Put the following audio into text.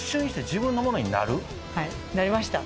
はいなりました。